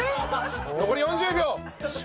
残り４０秒。